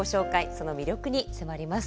その魅力に迫ります。